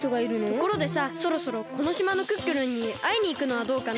ところでさそろそろこのしまのクックルンにあいにいくのはどうかな？